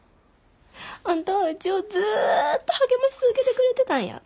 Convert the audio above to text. あんたはうちをずっと励まし続けてくれてたんや。